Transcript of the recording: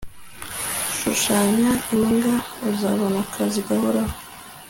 shushanya imbwa uzabona akazi gahoraho